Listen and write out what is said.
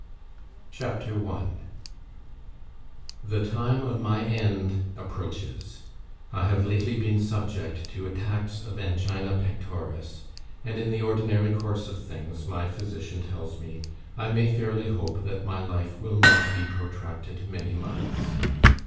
CHAPTER I The time of my end approaches. I have lately been subject to attacks of angina pectoris; and in the ordinary course of things, my physician tells me, I may fairly hope that my life will not be protracted many months.